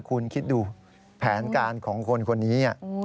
คุณคิดดูแผนการของคนคนนี้